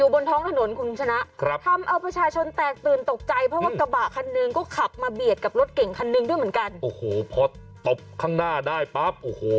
บนท้องถนนคุณชนะครับทำเอาประชาชนแตกตื่นตกใจเพราะว่ากระบะคันหนึ่งก็ขับมาเบียดกับรถเก่งคันหนึ่งด้วยเหมือนกันโอ้โหพอตบข้างหน้าได้ปั๊บโอ้โห